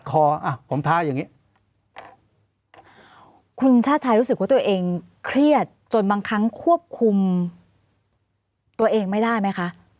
คุณชาติชายรู้สึกว่าตัวเองเครียดจนบางครั้งควบคุมตัวเองไม่ได้ไหมคะ